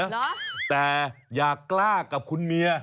เหรอแต่อย่ากล้ากับคุณเมีย